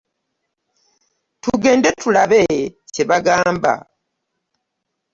Tugende tulabe kye bagamba.